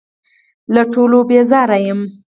له ټولو بېزاره یم .